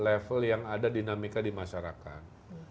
level yang ada dinamika di masyarakat